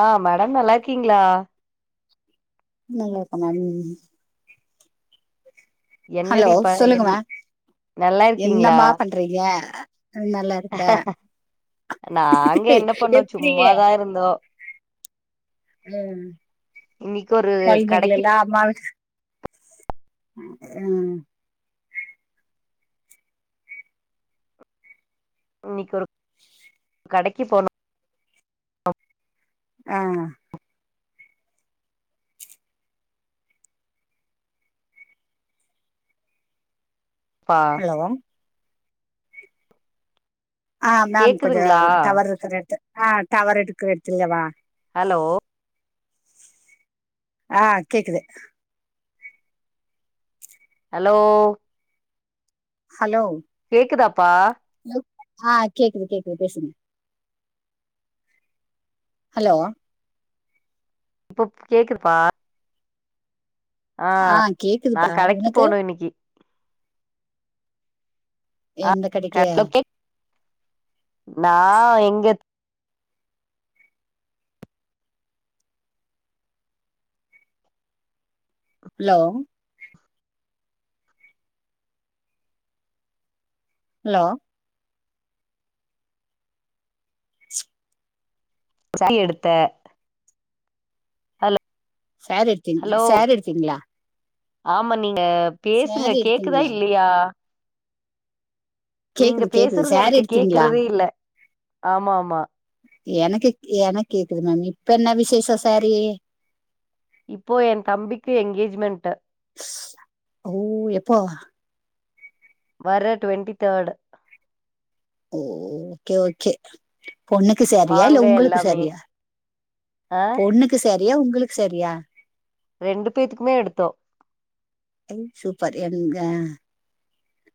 ஆ madam நல்லார்க்கீங்ளா நல்லார்க்க ma'am hello என்னடி ப என் சொல்லுங்கமா நல்லா இருக்கீங்களா என்னம்மா பண்றீங்க நல்லார் நாங்க என்ன பண்ணோ எப்டி சும்மாதாருந்தோ ம் இன்னைக்கு ஒரு கடைக்கு கொழ்ந்தைகலல்லா அம்மா விட் ம் இன்னிக் ஒரு கடைக்கு போனொ அ பா ஹலோ ஆ மேம் கொஞ்ச கேக்குதுங்களா டவர்ருக்குற எடத்துக் ஆ டவர்ருக்குற எட்த்துல வா ஹலோ ஆ கேக்குது ஹலோ ஹலோ கேக்குதாப்பா ஆ கேக்குது கேக்குது பேசுங்க ஹலோ ப்போப் கேக்குதுபா அ ஆ நா கேக்குதுப்பா கடக்கி உனக்கு போனு இன்னிக்கி எனக் கட்லோக்கே நா இங்கத் லோ ஹலோ ஸ் சட்டி எடுத்தே சேரி எடுத்தீங ஹலோ சேரி எடுத்தீங்களா ஆமா நீங்க பேசுங்க சேரி கேக்குதா எடுத்தீங்களா இல்லியா நீங்க கேக்குது கேக்குது பேசுறது சேரி எனக்கு எடுத்தீங்களா கேக்குறதே இல்ல ஆமா ஆமா எனக்கு எனக் கேக்குது மேம் இப்ப என்ன விசேஷ சேரீ இப்போ எ தம்பிக்கு எங்கேஜ்மெண்ட்டு ஓ எப்போ வர டுவெண்ட்டி தேர்ட் ஓக்கே ஓக்கே பொண்ணுக்கு சாரியா இல்ல வாங்க உங்களுக்கு எல்லாமே சாரியா ஆ பொண்ணுக்கு சாரியா உங்களுக்கு சாரியா ரெண்டு பேத்துக்குமே எடுத்தோ சூப்பர் எங்க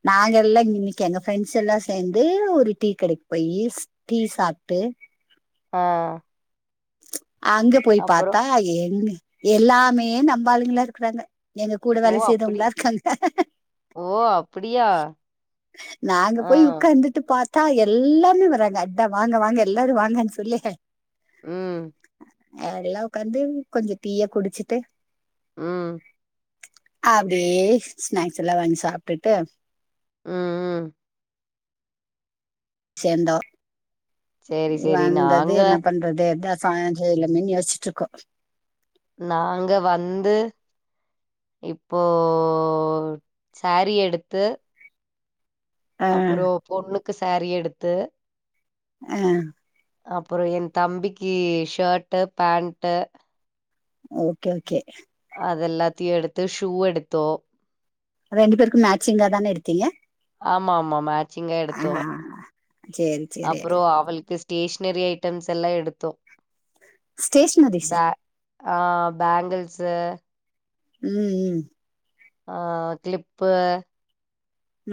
நாங்க எல்லா இன்னக்கி எங்க ஃபிரெண்ட்ஸ் எல்லாம் சேந்து ஒரு டீ கடக் போயி டீ சாப்ட்டு ஆ அங்க போய் அப்புறம் பாத்தா எங் எல்லாமே நம்பளுங்களா இருக்றாங்கா எங்க கூட ஓ வேல அப்படி செய்தவங்களா இருக்காங்க ஓ அப்படியா நாங்க ஆ போய் உக்காந்துட்டு பாத் த்தா எல்லாமே வராங்க அத்த வாங்க வாங்க எல்லாரு வாங்கன் சொல்லி ம் எல்லா உக்காந்து கொஞ்ச டீய குடுச்சிட்டு ம் அப்டியே ஸ்நாக்ஸ்ல்லா வாங் சாப்ட்டுட்டு ம் ம் சேந்தோ சரி சரி வந்தது நாங்க என்ன பண் றது அதா சாஞ்சேல்லமென் யோஸ்ச்சிட்டுருக்கோ நாங்க வந்து இப்போது சாரி எடுத்து ஆ அப்புறோ பொண்ணுக்கு சேரி எடுத்து ம் அப்புறோ எ தம்பிக்கு ஷர்ட்டு பேண்ட்டு ஓகே ஓகே அத எல்லாத்தீயு எடுத்து ஷூ எடுத்தோ ரெண்டு பேருக்கு மேட்சிங்கா தானே எடுத்தீங்க ஆமா ஆமா மேச்சிங்கா ஆ எடுத்தோ சேரி சேரி அப்புறோ அவள்க்கு ஃடேஷ்னரி ஐட்டம்ஸ் எல்லா எடுத்தோ ஸ்டேஷ்னரிஷா பே ஆ பேங்கள்சு ம் ம் ஆ கிளிப்பு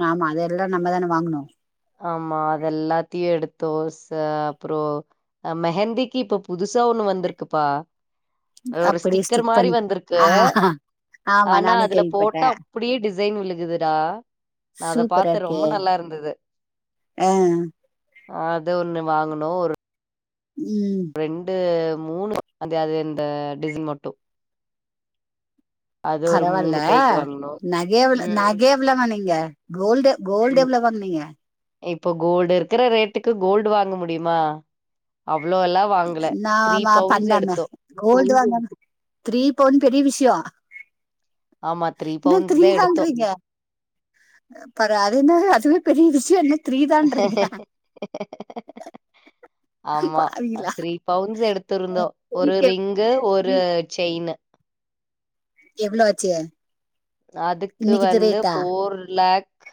ஆமா அதெல்லா நம்ம தானே வாங்குனு ஆமா அத எல்லாத்தையு எடுத்தோ ஸ அப்புறோ மெஹந்திக்கி இப்ப புதுசா ஒண்ணு வந்திருக்குப்பா ஒரு அப்டியே ஸ்டிக்கர் ஸ்டிக் மாரி பண் வந்திருக்கு ஆ ஆமா ஆனா நானு அதுல போட்ட கேள்விப்பட்டே அப்டியே டிசைன் விழுகுதுடா நா அத சூப்பரா பாத்தே இருக்கே ரொம்ப நல்லா இருந்தது ஆ அது ஒன்னு வாங்கனோ ஒரு ம் ரெண்டு மூணு அந்த அ அந்த டிசைன் மட்டூ ஒரு பரவால்ல மூணு கைக்கு வாங்குனோ நகை எவ்ளே ம் நகெய்ப் புள்ளதா நீங்க கோல்டு கோல்டு ம் எவ்ளோ வாங்குனீங்க இப்போ கோல்டு இருக்கிற ரேட்டுக்கு கோல்டு வாங்க முடியுமா அவ்ளோல்லா வாங்கல த்ரீ பவுன்ஸ் எடுத்தோ கோல்ட் வாங்கன் த்ரீ பவுன் பெரிய விஷயோ ஆமா த்ரீ என்ன பவுன்ஸ் த்ரீ தா எடுத்தோ தாங்றீங்க பெற அது என்ன அதுவே பெரிய விஷயோ என்ன த்ரீ தான்றீங்க ஆமா பாவிங்களா த்ரீ பவுண்ஸ் எடுத்துருந்தோ ஒரு த்ரீக்கு ரிங் கு த்ரீ ஒரு செயின்னு எவ்ளோ ஆச்சு அதுக்கு இன்னைக்குது வந்து ரேட்டா ஃபோர் லேக்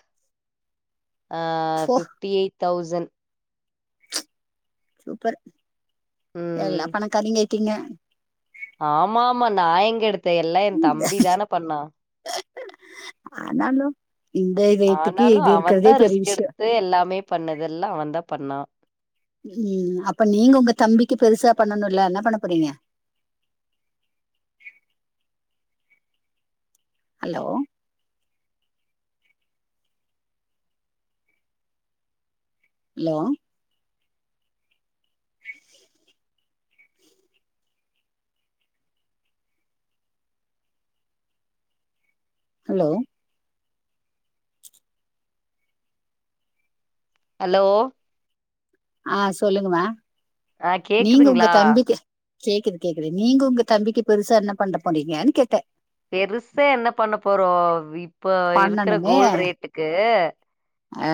ஆ போ ஃபிப்டி எய்ட் தௌஸன்ட் சூப்பர் ம் எல்லா பணக்காரிங்க ஆய்ட்டீங்க ஆமா ஆமா நா எங்க எடுத்தே எல்லா எ தம்பி தானே பண்ணா ஆனாலு இந்த ரேட்டுக்கு இது இருக்கறதே பெரிய விஷ்யோ து எல்லாமே பண்ணது எல்லா அவந்தா பண்ணா ம் அப்ப நீங்க உங்க தம்பிக்கு பெருசா பண்ணணுன்ல்ல என்ன பண்ண போறீங்க ஹலோ ஹலோ ஹலோ ஹலோ ஆ சொல்லுங்மா ஆ நீங்க உங்க கேக்குதுங்களா தம்பிக்கி கேக்குது கேக்குது நீங்க உங்க தம்பிக்கு பெருசா என்ன பண்ட போறீங்கன்னு கேட்டே பெருசா என்ன பண்ண போறோ இப்போ இருக்கிற கோல்டு ரேட்டுக்கு அ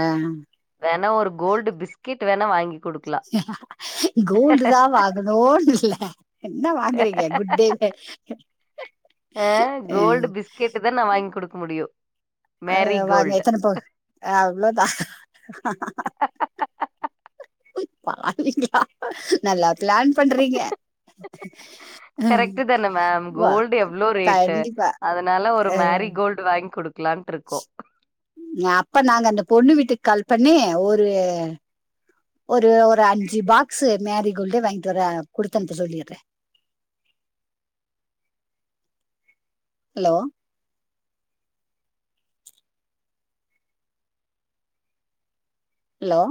வேணா ஒரு கோல்டு பிஸ்கெட் வேணா வாங்கி குடுக்கலாம். கோல்டு தா வாகனோண்டு இல்ல என்ன வாங்குறீங்க குட்டே இதென்ன வாங்கி் கொடுக்க முடியூ அ வாங்கி எத்தன பவுன் அவ்ளோதா பாவிங்லா நல்லா பிளான் பண்றீங்க ம், கரெக்ட்டு தானே மேம் வா, கோல்டு எவ்ளோ ரேட்டு் கண்டிப்பா அதனால ஒரு ஆ, மேரி கோல்டு வாங்கிக் கொடுக்கலான்ட்ருக்கோ அப்ப நாங்க அந்த பொண்ணு வீட்டுக்கு கால் பண்ணி ஒரு ஒரு ஒரு அஞ்சு பாக்ஸு மேரி கோல்டே வாங்கிட்டு வர குடுத்தனுப்ப சொல்லிட்றே ஹலோ ஹலோ